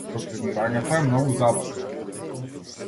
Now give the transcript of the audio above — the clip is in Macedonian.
Програмирањето е многу забавно.